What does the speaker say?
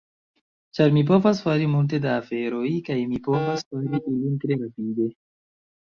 ĉar mi povas fari multe da aferoj, kaj mi povas fari ilin tre rapide